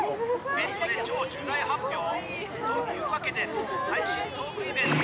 ネットで超重大発表！？というわけで配信トークイベント